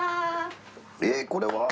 えっこれは？